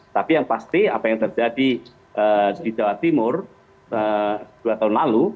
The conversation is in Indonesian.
tapi yang pasti apa yang terjadi di jawa timur dua tahun lalu